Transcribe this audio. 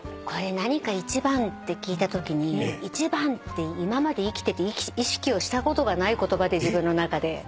これ何か１番って聞いたときに１番って今まで生きてて意識をしたことがない言葉で自分の中で。